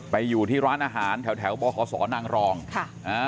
ไปอยู่ที่ร้านอาหารแถวบศนางรองค่ะ